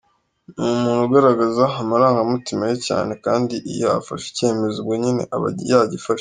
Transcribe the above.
Ni umuntu ugaragaza amarangamutima ye cyane, kandi iyo afashe icyemezo ubwo nyine aba yagifashe.